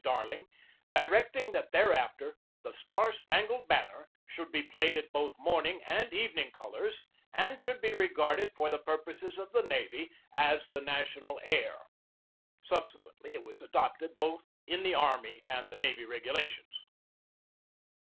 Darling, directing that thereafter "The Star Spangled Banner" should be played at both morning and evening colors, and should be regarded, for the purposes of the navy, as the national air. Subsequently it was adopted both in the army and the navy regulations.